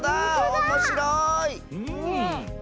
おもしろい！